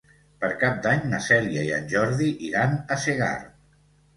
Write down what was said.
Per Cap d'Any na Cèlia i en Jordi iran a Segart.